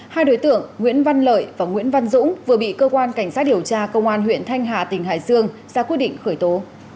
hai đối tượng nguyễn văn lợi và nguyễn văn dũng vừa bị cơ quan cảnh sát điều tra công an huyện thanh hà tỉnh hải dương ra quyết định khởi tố